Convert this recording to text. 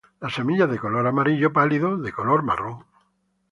Las semillas de color amarillo pálido, de color marrón.